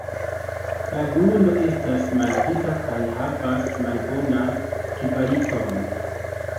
La grundo estas maldika kaj havas malbonan kvaliton.